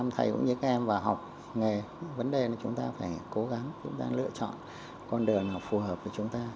thầy cũng như các em vào học nghề vấn đề là chúng ta phải cố gắng chúng ta lựa chọn con đường nó phù hợp với chúng ta